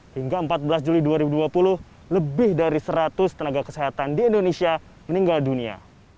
hingga empat belas juli dua ribu dua puluh lebih dari seratus tenaga kesehatan di indonesia meninggal dunia